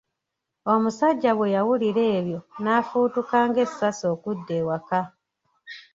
Omusajja bwe yawulira ebyo n'afubutuka ng'essasi okudda ewaka.